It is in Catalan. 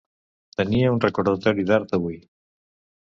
Tenia un recordatori d'Art avui.